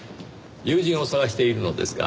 友人を探しているのですが。